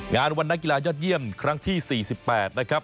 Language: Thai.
งานวันนักกีฬายอดเยี่ยมครั้งที่๔๘นะครับ